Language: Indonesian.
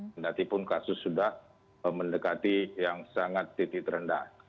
meskipun kasus sudah mendekati yang sangat titik terendah